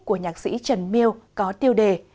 của nhạc sĩ trần miu có tiêu đề